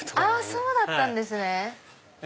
そうだったんですね。